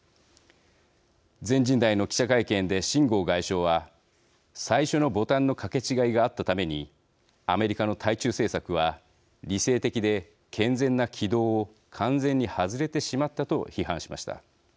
全人代の記者会見で、秦剛外相は最初のボタンのかけ違いがあったために、アメリカの対中政策は理性的で健全な軌道を完全に外れてしまったと批判しました。